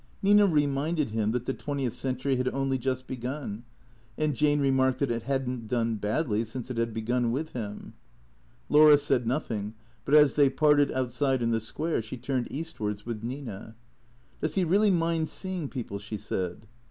Nina reminded him that the twentieth century had only just begun, and Jane remarked that it had n't done badly since it had begun with him. Laura said nothing; but, as they parted outside in the square, she turned eastwards with Nina. " Does he really mind seeing people ?" she said.